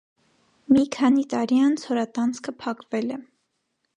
Մի քանի տարի անց հորատանցքը փակվել է։